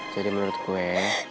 jadi menurut gue